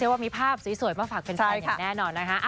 ซึ่งว่ามีภาพสวยมาฝากเป็นภาพอย่างแน่นอนนะคะ